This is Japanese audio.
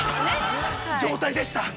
状態でした。